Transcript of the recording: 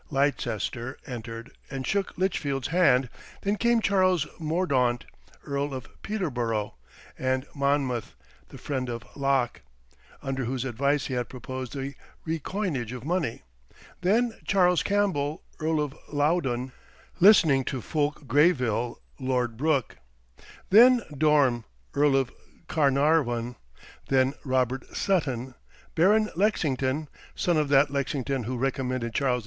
Leicester entered, and shook Lichfield's hand; then came Charles Mordaunt, Earl of Peterborough and Monmouth, the friend of Locke, under whose advice he had proposed the recoinage of money; then Charles Campbell, Earl of Loudoun, listening to Fulke Greville, Lord Brooke; then Dorme, Earl of Carnarvon; then Robert Sutton, Baron Lexington, son of that Lexington who recommended Charles II.